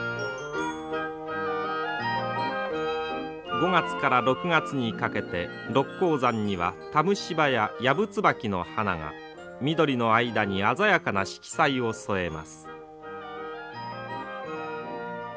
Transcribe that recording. ５月から６月にかけて六甲山にはタムシバやヤブツバキの花が緑の間に鮮やかな色彩を添えます。